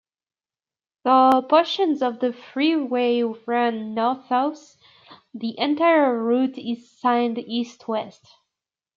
Though portions of the freeway run north-south, the entire route is signed east-west.